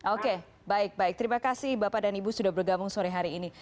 oke baik baik terima kasih bapak dan ibu sudah bergabung sore hari ini